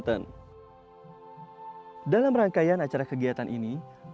dalam rangkaian acara kegiatan ini bank indonesia juga memberikan manfaat kepada masyarakat di provinsi banten